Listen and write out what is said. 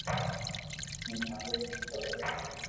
ھي مالڪ ني خبر ھي